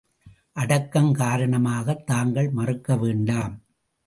அடக்கம் காரணமாக தாங்கள் மறுக்க வேண்டாம்.